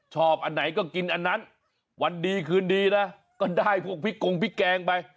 อันไหนก็กินอันนั้นวันดีคืนดีนะก็ได้พวกพริกกงพริกแกงไป